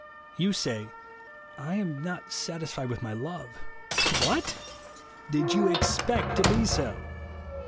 You say, " I am not satisfied with my love." What ! Did you expect to be so